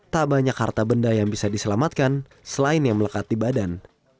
tak banyak harta benda yang bisa diselamatkan selain yang melekat di badan